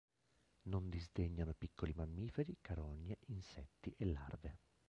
Non disdegnano piccoli mammiferi, carogne, insetti e larve.